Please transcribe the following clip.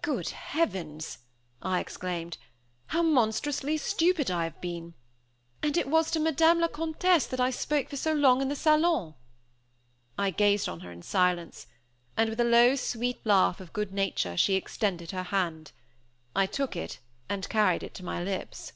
"Good Heavens!" I exclaimed. "How monstrously stupid I have been. And it was to Madame la Comtesse that I spoke for so long in the salon!" I gazed on her in silence. And with a low sweet laugh of good nature she extended her hand. I took it and carried it to my lips.